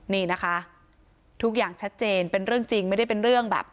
นี่นะคะทุกอย่างชัดเจนเป็นเรื่องจริงไม่ได้เป็นเรื่องแบบ